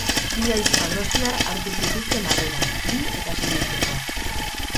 Bi ahizpa donostiar hartu zituzten harreran, bi eta sei urtekoak.